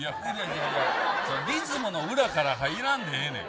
リズムの裏から入らんでええねん。